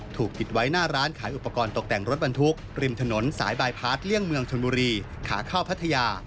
ถูกปิดไว้หน้าร้านขายอุปกรณ์ตกแต่งรถบรรทุกริมถนนสายบายพาร์ทเลี่ยงเมืองชนบุรีขาเข้าพัทยา